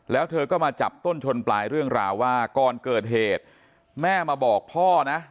แล้วเธอก็มาจับต้นชนปลายเรื่องราวว่าก่อนเกิดเหตุแม่มาบอกพ่อนะ